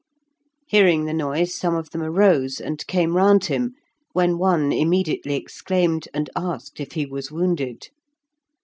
Hearing the noise, some of them arose, and came round him, when one immediately exclaimed and asked if he was wounded.